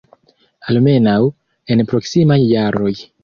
Almenaŭ, en proksimaj jaroj.